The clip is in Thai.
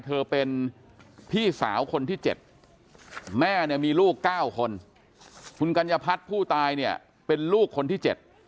เธอเป็นพี่สาวคนที่๗แม่เนี่ยมีลูก๙คนคุณกัญญพัฒน์ผู้ตายเนี่ยเป็นลูกคนที่๗